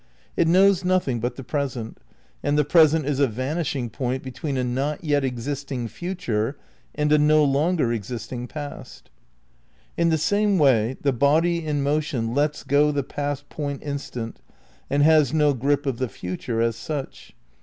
It knows nothing but the present, and the present is a vanishing point between a not yet existing future and a no longer existing past. In the same way the body in motion lets go the past point instant and has no grip of the future as such.